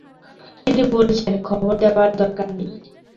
তিনি বলেছেন, খবর দেবার দরকার নেই।